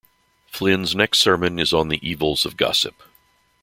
Flynn's next sermon is on the evils of gossip.